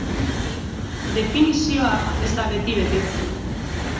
Definizioa ez da beti betetzen.